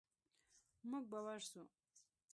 موږ به ورسو.